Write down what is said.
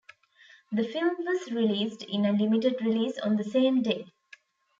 The film was released in a limited release on the same day.